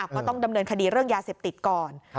ก็ต้องดำเนินคดีเรื่องยาเสพติดก่อน